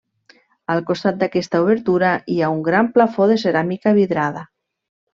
Al costat d'aquesta obertura hi ha un gran plafó de ceràmica vidrada.